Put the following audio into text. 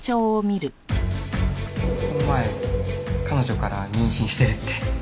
この前彼女から妊娠してるって。